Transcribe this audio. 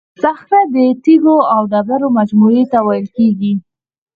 صخره د تیکو او ډبرو مجموعې ته ویل کیږي.